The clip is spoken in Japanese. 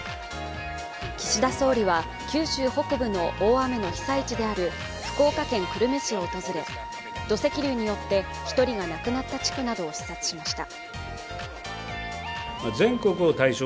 岸田総理は九州北部の大雨の被災地である福岡県久留米市を訪れ土石流により１人が亡くなった地区などを視察しました。